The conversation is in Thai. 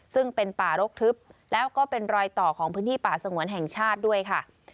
ซึ่งเป็นป่ารกทึบแล้วก็เป็นรอยต่อของพื้นที่ป่าสงวนแห่งชาติด้วยค่ะ